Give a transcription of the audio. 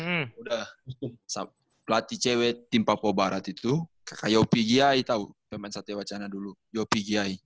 udah pelatih cewek tim papua barat itu kakak yopi giai tau yang main satya wacana dulu yopi giai